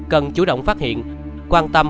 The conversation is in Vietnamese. cần chủ động phát hiện quan tâm